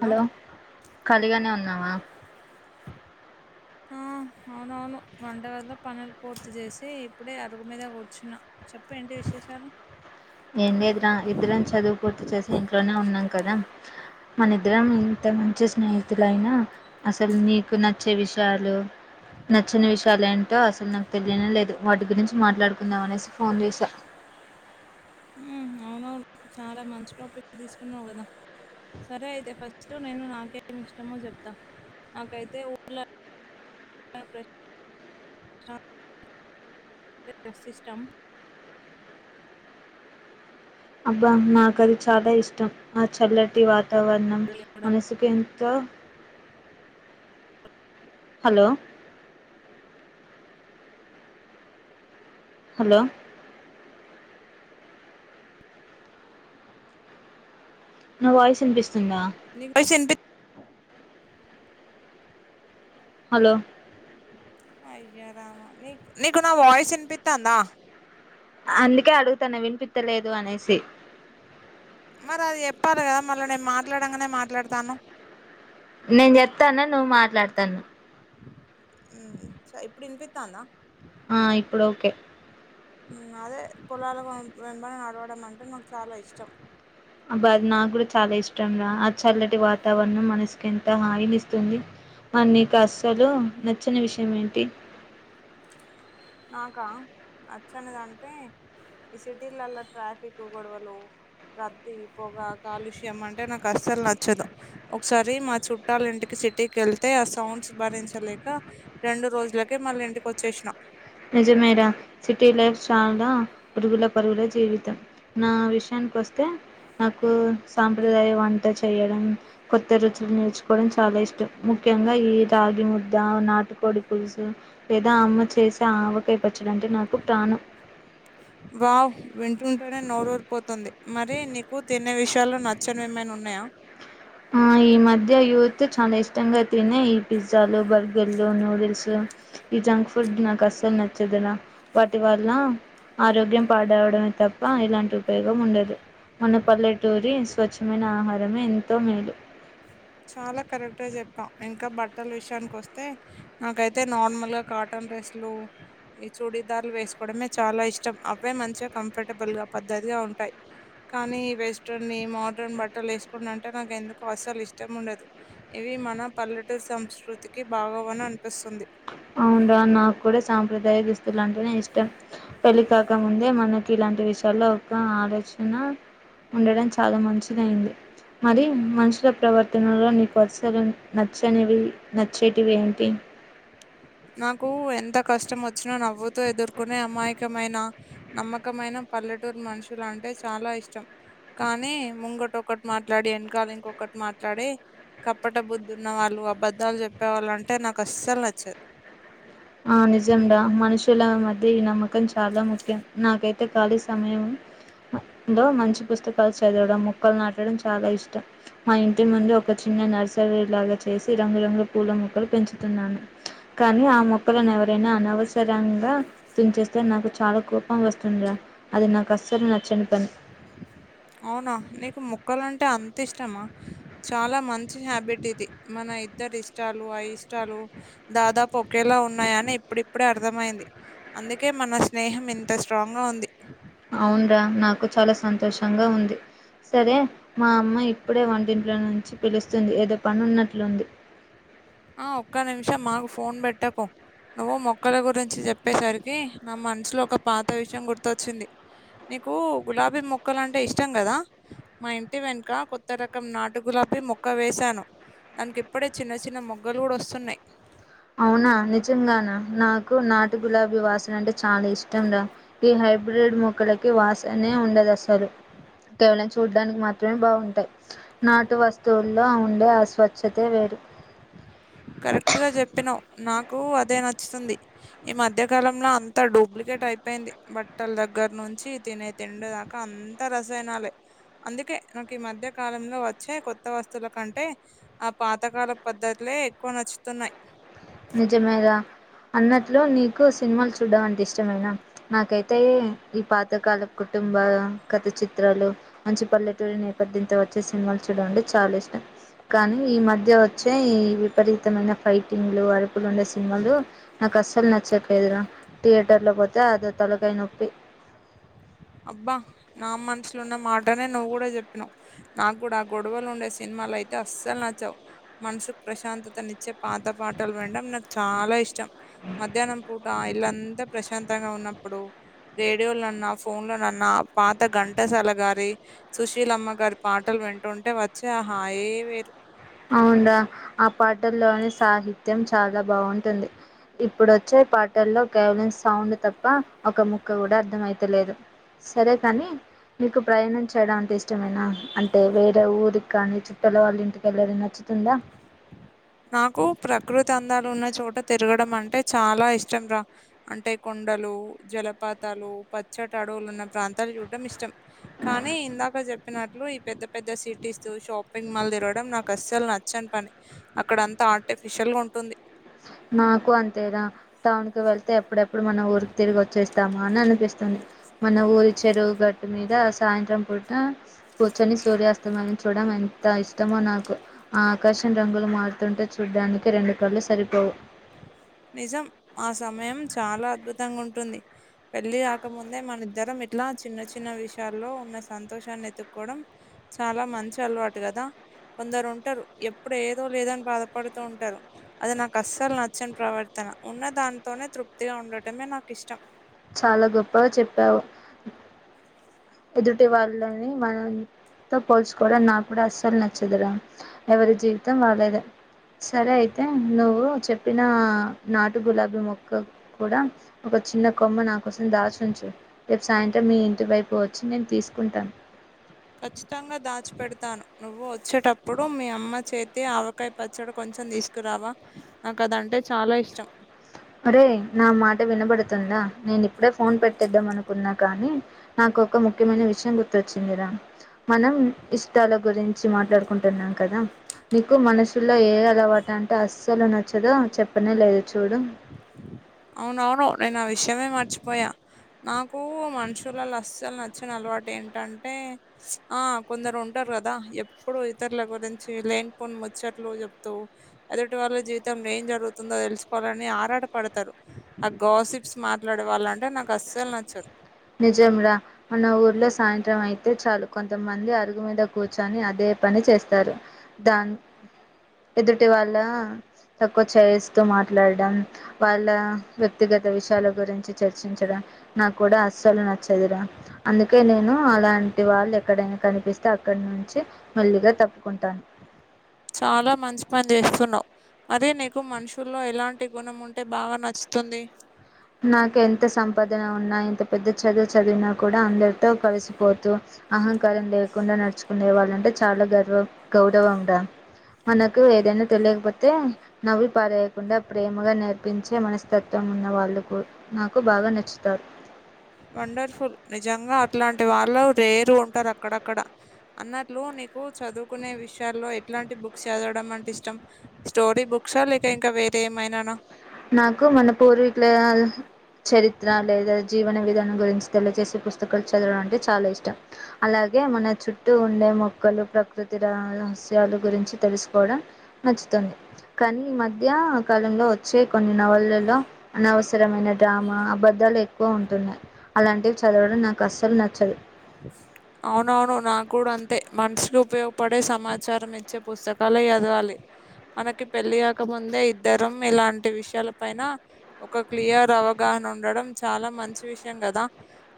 Hello ఖాళీగానే ఉన్నావా ఆ అవునవును వంటగదిలో పనులు పూర్తి చేసి ఇప్పుడే అరుగు మీద కూర్చున్న చెప్పు ఏంటి విషయం షాను ఏం లేదురా ఇద్దరం చదువు పూర్తి చేసి ఇంట్లోనే ఉన్నాం కదా మన ఇద్దరం ఇంత మంచి స్నేహితులయినా అసలు నీకు నచ్చే విషయాలు నచ్చిన విషయాలు ఏంటో అసలు నాకు తెలియని లేదు వాటి గురించి మాట్లాడుకుందాం అనేసి ఫోన్ చేశా అ అవునవును చాలా మంచి టాపిక్ తీసుకున్నావు కదా సరే అయితే ఫస్ట్ నేను నాకేమి ఇష్టమో చెప్తా నాకైతే ఊర్లో ప్ర సిస్టం అబ్బా నాకు అది చాలా ఇష్టం ఆ చల్లటి వాత వతావరణం ఊర్లో ఉండడం. మనసుకి ఎంతో హలో హలో నా వాయిస్ వినిపిస్ నీసింతే హలో అయ్యో రామా నీ నీకు నా వాయిస్ వినిపిత్తాందా అందుకే అడుగుతన వినిపిత్తలేదు అనేసి మరి అది చెప్పాలి కదా మళ్ళీ నేను మాట్లాడంగానే మాట్లాడతాన్నవ్ నేను చెప్తాను నువ్వు మాట్లాడతాన్నవ్ ఉ ఇప్పుడు వినిపిత్తాంది ఆ ఇప్పుడు ఓకే అదే పొలాల వెంబడి నడవడం అంటే నాకు చాలా ఇష్టం అబ నా కూడా చాలా ఇష్టం రా ఆ చల్లటి వాతావరణం మనసుకి ఎంత హాయినిస్తుంది మా నీకు అసలు నచ్చని విషయం ఏంటి నాకా నచ్చనిదంటే ఈ సిటీలల్లో ట్రాఫిక్ గొడవలు రద్దీ పొగ కాలుష్యం అంటే నాకు అసలు నచ్చదు ఒకసారి మా చుట్టాల ఇంటికి సిటీకి వెళ్తే ఆ సౌండ్స్ భరించలేక రెండు రోజులకే మళ్ళీ ఇంటికి వచ్చేసినా నిజమేరా సిటీ లైఫ్స్ చాలా పురుగుల పరుగుల జీవితం నా విషయానికి వస్తే నాకు సాంప్రదాయ వంట చేయడం కొత్త రుచులు నేర్చుకోవడం చాలా ఇష్టం ముఖ్ ముఖ్యంగా ఈ రాగి ముద్ద నాటుకొడి పులుసు లేదా అమ్మ చేస్ ఆవకాయ పచ్చడంటే నాకు ప్రాణం వావ్ వింటుంటేనే నోరూరిపోతుంది మరి నీకు తినే విషయాల్లో నచ్చనివి ఏమైనా ఉన్నాయా ఆ ఈ మధ్య యువత్ చాలా ఇష్టంగా తినే ఈ పిజ్జాలు బర్గర్లు నూడిల్స్ ఈ జంక్ ఫుడ్ నాకు అసలు నచ్చదు రా వాటి వల్ల ఆరోగ్యం పాడవడమే తప్ప ఎలాంటి ఉపయోగం ఉండదు మన పల్లెటూరి స్వచ్ఛమైన ఆహారమే ఎంతో మేలు చాలా కరెక్ట్ గా చెప్పావ్ ఇంకా బట్టల విషయానికి వస్తే నాకైతే నార్మల్ గా కాటన్ డ్రస్లు ఈ చూడీదారులు వేసుకోవడమే చాలా ఇష్టం అవే మంచిగా కంఫర్టబుల్ గా పద్దది ఉంటాయి కానీ వెస్ట్రన్ ఈ మాడ్రన్ బట్టలు వేసుకున్నా అంటే నాకు ఎందుకో అసలు ఇష్ ఇష్టం ఉండదు ఇవి మన పల్లెటూరు సంస్కృతికి భాగవని అనిపిస్తుంది అవుండ్రా నాకు కూడా సాంప్రదాయ దుస్తులు అంటేనే ఇష్టం పెళ్ళి కాక ముందే మనకి ఇలాం ఇంటి విషయాల్లో ఒక ఆలోచన ఉండడం చాలా మంచిదయింది మరి మనుషుల ప్రవర్తనలో నీకు అసలు నచ్చనివి నచ్చేటివి ఏంటి నాకు ఎంత కష్టం వచ్చినా నవ్వుతో ఎదుర్కొనే అమాయకమైన నమ్మకమైన పల్లెటూరు మనుషులు అంటే చాలా ఇష్టం కానీ ముంగటి ఒకక్కటి మాట్లాడి వెనకాల ఇంకొకటి మాట్లాడి కప్పట బుద్దున్న వాళ్ళు అబద్ధాలు చెప్పేవాళ్ళు అంటే నాకు అసలు నచ్చ ఆ నిజం రా మనుషుల మధ్య ఈ నమ్మకం చాలా ముఖ్యం నాకైతే ఖాళీ సమయం లో మంచి పుస్తకాలు చదవడం ముక్కలు నాటడం చాలా ఇష్టం మా ఇంటి ముందు ఒక చి నర్సరీ లాగా చేసి రంగురంగుల పూల మొక్కలు పెంచుతున్నాను కానీ ఆ మొక్ కుక్కలను ఎవరైనా అనవసరంగా తుంచేస్తే నాకు చాలా కోపం వస్తుంది అది నాకస అసలు నచ్చని పని అవునా నీకు ముక్కలు అంటే అంత ఇష్టమా చాలా మంచి హ్యాబిట్ ఇది మన ఇద్దరు ఇష్టాలు అ ఇష్టాలు దాదాపు ఒకేలా ఉన్నాయని ఇప్పుడిప్పుడే అర్థమయింది అందుకే మన స్నేహం ఇంత స్ట్రాంగ్ గా ఉంది అవున్రా నాకు చాలా సంతోషంగా ఉంది సరే మా అమ్మ ఇప్పుడే వంటింట్లో నుంచి పిలుస్తుంది ఏదో పని ఉన్నట్లుంది ఆ ఒక్క నిమిషం ఆగు ఫోన్ పెట్టకు నువ్వు మొక్కల గురించి చెప్పేసరికి నా మనసులో ఒక పాత విషయం గుర్తొచ్చింది నీకు గులాబీ మొక్కలు అంటే ఇష్టం కదా మా ఇంటి వెనుక కొత్త రకం నాటు గులా చెప్పి మొక్క వేశాను దానికి ఇప్పుడే చిన్న చిన్న మొగ్గలు కూడా వస్తున్నాయ్ అవునా నిజంగానా నాకు నాటు గులాబీ వాసన అంటే చాలా ఇష్టం రా ఈ హైబ్రిడ్ మొక్కలకి వాసనే ఉండదసలు కేవలం చూడ్డానికి మాత్రమే బాగుంటాయ్ నాటు వస్తువుల్లో ఉండే అస్వచ్ఛతే వేరు కరెక్ట్ గా చెప్పినావ్ నాకు అదే నచ్చుతుంది ఈ మధ్యకాలంలో అంత డూప్లికే కేట్ అయిపోయింది బట్టల దగ్గర నుంచి తినే తిండి దాకా అంత రసయినాలే అందుకే నాకు ఈ మధ్య కాలంలో వచ్చే కొత్త వస్తువుల కంటే ఆ పాతకాల పద్ధతులే ఎక్కువ నచ్చుతున్నాయి నిజమేగా అన్నట్లు నీకు సినిమాలు చూడ్డం అంటే ఇష్టమైన నాకైతే ఈ పాతకాల కుటుంబ కథ చిత్రాలు మంచి పల్లెటూరి నేపథ్యంతో వచ్చే సినిమాలు చూడం అంటే చాలా ఇష్టం కానీ ఈ మధ్య వచ్చే ఈ విపరీతమైన ఫైటింగ్ ఫైటింగ్ లు అరుపులు ఉండే సినిమాలు నాకు అసలు నచ్చట్లేదు రా థియేటర్ లో తా అదో తలకై నొప్పి అబ్బా నా మనసులున్న మాటనే నువ్వు కూడా చెప్పినావు నాకు కూడా ఆ గొడవలు ఉండే సినిమా సినిమాలు అయితే అస్సలు నచ్చావు మనసుకు ప్రశాంతతనిచ్చే పాత పాటలు వినడం నాకు చాలా ఇష్టం మధ్యాహ్నం పూట ఇలాంతా ప్రశాంతంగా ఉన్నప్పుడు రేడియోలున్నా ఫోన్ లోనన్న పాత ఘంటసాల గారి సుశీలమ్మ గారి పాటలు వింటుంటే వచ్చా హాయే వేరు అవున్రా ఆ పాటల్లోని సాహిత్యం చాలా బాగుంటుంది ఇప్పుడు వచ్చే పాటల్లో కవలిన్ సౌండ్ తప్ప ఒక ముక్క కూడా అర్థమయితలేదు సరే కానీ మీకు ప్రయాణం చేయడం అంటే ఇష్టమేనా అంటే వేరే ఊరికి కానీ చుట్టల వాళ్ళ ఇంటి ఏలేది నచ్చుతుందా నాకు ప్రకృతి అందాలు ఉన్న చోట తిరగడం అంటే చాలా ఇష్టం రా అంటే కొ కొండలు జలపాతాలు పచ్చటడవులు ఉన్న ప్రాంతాలు చూడడం ఇష్టం కానీ ఇందాక చెప్పినట్లు ఈ పెద్ద పెద్ద సిటీస్ షాపింగ్ మాల్ తిరవడం నాకు అస్సలు నచ్చను పని అక్కడ అంత ఆర్టిఫిషియల్ గా ఉంటుంది నాకు అంతేరా టౌన్ కు వెళ్తే ఎప్పుడెప్పు ఇప్పుడు మన ఊరికి తిరిగి వచ్చేస్తామా అని అనిపిస్తుంది మన ఊరి చెడువు గట్టు మీద సాయంత్రం ప కూర్చొని సూర్యాస్తమన్ని చూడడం ఎంత ఇష్టమో నాకు ఆ ఆకాశం రంగులు మారుతుంటే చూడ్డానికి రెండు కళ్లు సరిపోవు నిజం ఆ సమయం చాలా అద్భుతంగా ఉంటుంది పెళ్లి కాకముందే మనద్దరం ఇట్లా చిన్న చిన్న విషయాల్లో ఉన్న సంతోషాన్ని ఎతుక్కోవడం చాలా మంచి అలవాటు కదా కొందరు ఉంటారు ఎప్పుడు ఏదో లేదో అని బాధపడుతూ ఉంటారు అది నాకు కస్సలు నచ్చని ప్రవర్తన ఉన్న దానితోనే తృప్తిగా ఉండటమే నాకు ఇష్టం చాలా గొప్పగా చెప్పావు ఎదుటి వాళ్ళని మనం తో పోల్చుకోవడం నాకు కూడా అస్సలు నచ్చదు రా ఎవరి జీవితం వాళ్ళేద సరే అయితే నువ్వు చెప్పిన నాటు గులాబీ మొక్క కూడా ఒక చిన్న కొమ్మ నా కోసం దాచుంచు రేపు సాయంత్రం మీ ఇంటి వైపు వ వచ్చి నేను తీసుకుంటాను ఖచ్చితంగా దాచిపడతాను నువ్వు వచ్చేటప్పుడు మీ అమ్మ చేతి ఆవకాయ పచ్చడి కొంచెం చం తీసుకురావా నాకు అదంటే చాలా ఇష్టం అరే నా మాట వినబడుతుందా నేను ఇప్పుడే ఫోన్ పెట్టేద్దాం అనుకున్నా కానీ నాకు ఒక ముఖ్యమైన విషయం గుర్తొచ్చిందిరా మనం ఇష్టాల గురించి మాట్లాడుకుంటున్నాం కదా నీకు మనుషుల్లో ఏ అలవాటు అంటే అస్సలు నచ్చదో చెప్పనే లేదు చూడు అవునవును నేను ఆ విషయమే మర్చిపోయా నాకు మనుషుల అసలు నచ్చిన అలవాటు ఏంటంటే ఆ కొందరు ఉంటారు కదా ఎప్పుడు ఇతరుల గురించి లేనిపోని ముచ్చట్లు చెప్తూ ఎదుటి వాళ్ళ జీవితం ఏం జరుగుతుందో తెలుసుకోవాలని ఆరాటపడతారు ఆ గాసిప్స్ మాట్లాడే వాళ్ళంటే నాకు అస్సలు నచ్చదు నిజం రా మన ఊర్లో సాయంత్రం అయితే చాలు కొంతమంది అరుగు మీద కూర్చొని అదే పని చేస్తారు దాన్ ఎదుటి వాళ్ళ తక్కువ చేయిస్తూ మాట్లాడడం వాళ్ళ వ్యక్తిగత విషయాల గురించి చర్చించడం నాకూడా అసలు నచ్చదురా అందుకే నేను అలాంటి వాళ్ళు ఎక్కడైనా కనిపిస్తే అక్కడి నుంచి మెల్లిగా తప్పుకుంటాను చాలా మంచి పని చేస్తున్నావ్ అరే నీకు మనుషుల్లో ఎలాంటి గుణం ఉంటే బాగా నచ్చుతుంది నాకు ఎంత సంపాదన ఉన్నా ఎంత పెద్ద చదువు చదివినా కూడా అందరితో కలిసిపోతు అహ కారం లేకుండా నడుచుకునే వాళ్ళంటే చాలా గర్వం గౌరవంరా మనకు ఏదైనా తెలియకపోతే నవ్వి పారేయకుండా ప్రేమగా నేర్పించే మనస్తత్వం ఉన్న వాళ్ళు నాకు బాగా నచ్చుతా ఇట్లాంటి వాళ్ళు రేరు ఉంటారు అక్కడక్కడ అన్నట్లు నీకు చదువుకునే విషయాల్లో ఎలాంటి బుక్స్ చదవడం అంటే ఇష్టం స్టోరీ బుక్సా లేక ఇంకా వేరే ఏమైనానా నాకు మన పోరు ఇట్లా చరిత్ర లేదా జీవన విధానం గురించి తెలియచేసే పుస్తకాలు చదవడం అంటే చాలా ఇష్టం అలా గే మన చుట్టూ ఉండే మొక్కలు ప్రకృతి రహస్యాలు గురించి తెలుసుకోవడం నచు తుంది కాని ఈ మధ్య కాలంలో వచ్చే కొన్ని నవళ్లలో అనవసరమైన డ్రామా అబధాలు ఎక్కువ ఉంటున్నాయ్ అలాంటివి చదవడం నాకు అస్సలు నచ్చదు అవునవును నా కూడా అంతే మనిషులు ఉపయోగపడే సమాచారం ఇచ్చే పుస్తకాలే చదవాలి మనకి పెళ్ళి కాక ముందే ఇద్దరం ఇలాంటి విషయాల పైన ఒక క్లియర్ అవగా న ఉండడం చాలా మంచి విషయం కదా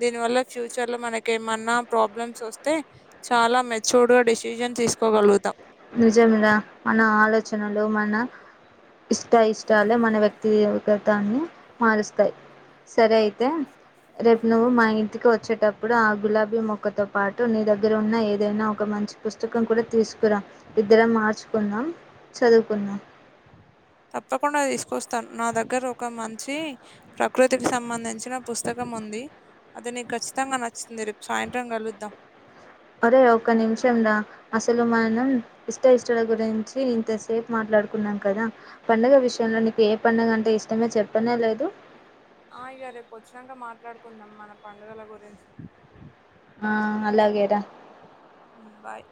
దీని వల్ల ఫ్యూచర్ లో మన కెమన్నా ప్రాబ్లమ్స్ వస్తే చాలా మెచ్యూర్డ్ గా డేసిషన్ తీసుకోగలుగుతాం నిజం రా మన ఆలోచనలు మన ఇష్ట ఇష్టాలు మన వ్యక్ వ్యక్తి గతాన్ని మారుస్తాయ్ సరే అయితే రేపు నువ్వు మా ఇంటికి వచ్చేటప్పుడు ఆ గులాబీ మొక్కతో పాటు నీ దగ్గర ఉన్న ఏదైనా ఒక మ మంచి పుస్తకం కూడా తీసుకు రా ఇద్దరం మార్చుకుందాం చదువుకుందాం తప్పకుండా తీసుకొస్తాను నా దగ్గర ఒక మంచి ప్రకృతికి సంబంధించిన పుస్తకం ఉంది అది నీకు ఖచ్చితంగా నచ్చుతుంది రేపు సాయంత్రం కలుద్దాం అరే ఒక్క నిమిషం రా అసలు మనం ఇష్ట ఇష్టాల గురించి ఇంతసేపు మాట్లా మాట్లాడుకున్నాం కదా పండగ విషయంలో నీకు ఏ పండగ అంటే ఇష్టమే చెప్పనే లేదు ఆ ఇగ రేపు వచ్చినాక మాట్లాడుకుందాం మన పండగల గురించి ఆ అలాగే రా బాయ్